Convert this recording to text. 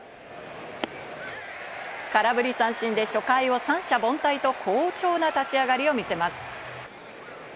空振り三振で初回を三者凡退と好調な立ち上がりを見せます。